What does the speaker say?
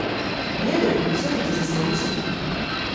Ведаю, і ўсё-ткі застаюся тут.